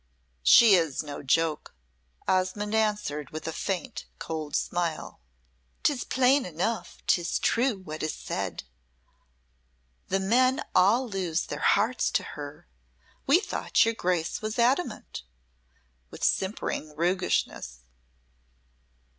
"She is no joke," Osmonde answered, with a faint, cold smile. "'Tis plain enough 'tis true what is said the men all lose their hearts to her. We thought your Grace was adamant" with simpering roguishness.